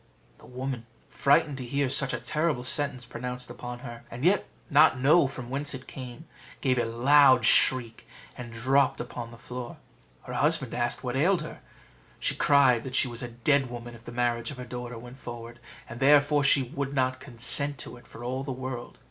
The woman, frightened to hear such a terrible sentence pronounced upon her, and yet not know from whence it came, gave a loud shriek, and dropped upon the floor. Her husband asked what ailed her: she cried that she was a dead woman if the marriage of her daughter went forward, and therefore she would not consent to it for all the world.